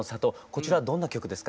こちらどんな曲ですか？